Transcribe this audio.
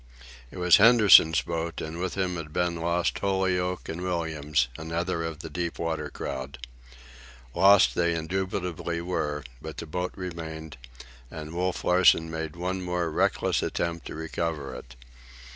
It was Henderson's boat and with him had been lost Holyoak and Williams, another of the deep water crowd. Lost they indubitably were; but the boat remained, and Wolf Larsen made one more reckless effort to recover it.